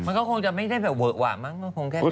มันก็คงจะไม่ได้เวิร์กหวะมั้ง